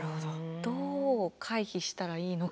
どう回避したらいいのか。